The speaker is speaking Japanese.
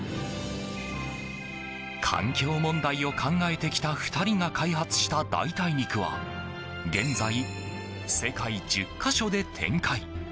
環境問題を考えてきた２人が開発した代替肉は現在、世界１０か所で展開。